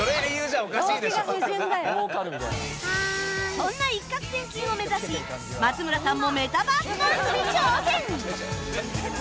そんな一獲千金を目指し松村さんもメタバースダンスに挑戦！